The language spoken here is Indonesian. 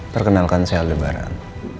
terkenalkan saya aldebaran